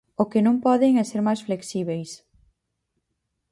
O que non poden é ser máis flexíbeis.